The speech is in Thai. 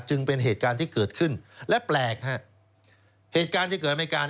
จึงเป็นเหตุการณ์ที่เกิดขึ้นและแปลกฮะเหตุการณ์ที่เกิดในการ